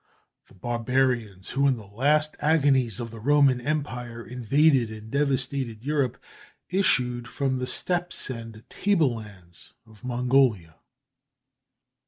The barbarians who, in the last agonies of the Roman Empire, invaded and devastated Europe, issued from the steppes and table lands of Mongolia.